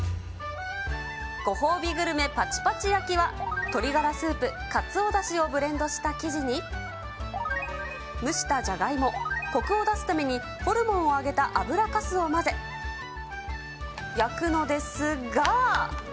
ご褒美グルメ、パチパチ焼は鶏がらスープ、かつおだしをブレンドした生地に、蒸したジャガイモ、こくを出すためにホルモンを揚げた油かすを混ぜ、焼くのですが。